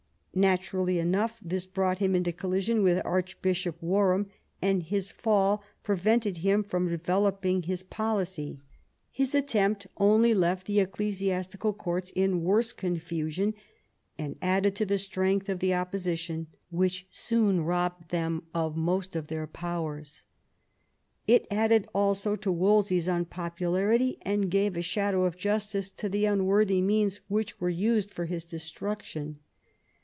Naturally enough this brbught him into collision with Archbishop Warham, • and his fall prevented him from developing his policy. His attempt only left the ecclesiastical courts in worse confusion, and added to the strength of the oppo sition, which soon robbed them of most of their powers. It added also to Wolsey's unpopularity, and gave a shadow of justice to the unworthy means which were used for his destruction.